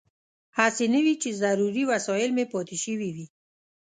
هسې نه وي چې ضروري وسایل مې پاتې شوي وي.